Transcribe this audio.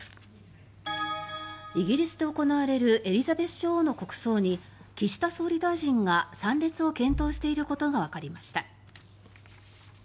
イギリスで行われるエリザベス女王の国葬に岸田総理大臣が参列を検討していることがわかりました。